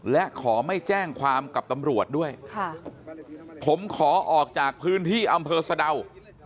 และขอไม่แจ้งความกับตำรวจด้วยค่ะผมขอออกจากพื้นที่อำเภอสะดาว